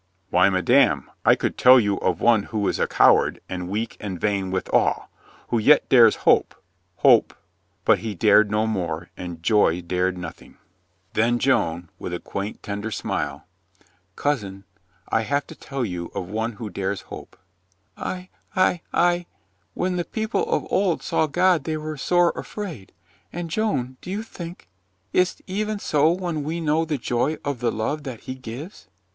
"Why, madame, I could tell you of one who is a coward and weak and vain withal, who yet dares hope — hope —" But he dared no more and Joy dared nothing. JOAN NORMANDY PLAYS PROXY 285 Then Joan, with a quaint, tender smile, "Cousin, I have to tell you of one who dares hope," "I — I — I — when the people of old saw God they were sore afraid. And, Joan — do you think — is't even so when we know the joy of the love that He gives